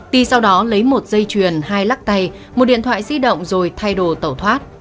ti sau đó lấy một dây chuyền hai lắc tay một điện thoại di động rồi thay đồ tẩu thoát